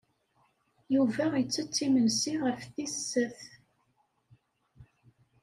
Yuba ittett imensi ɣef tis sat.